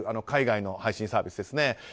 海外の配信サービスですね。